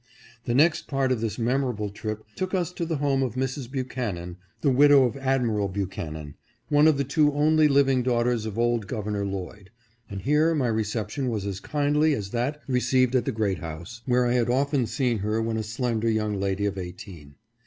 The next part of this memorable trip took us to the home of Mrs. Buchanan, the widow of Admiral Bu chanan, one of the two only living daughters of old Gov ernor Lloyd, and here my reception was as kindly as that received at the Great House, where I had often seen her when a slender young lady of eighteen.